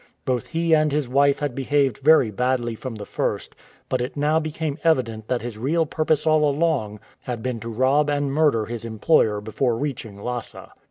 Both he and his wife had behaved very badly from the iirst, but it now became evident that his real purpose all along had been to rob and murder his employer before reaching Lhasa.